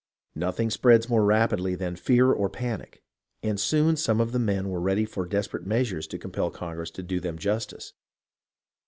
Nothing spreads more rapidly than fear or a panic, and soon some of the men were ready for desperate measures to compel Congress to do them justice.